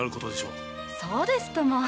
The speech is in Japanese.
そうですとも。